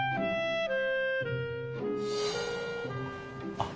あっ